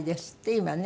今ね。